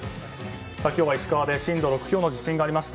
今日は石川で震度６強の地震がありました。